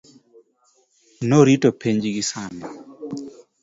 norito penj gi sani